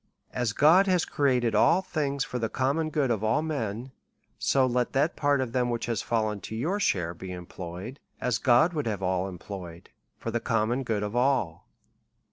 243 As God has created all things for the common good of all men, so let that part of them, which is fallen to your share, be employed, as God would have all era ployed, for the common good of all.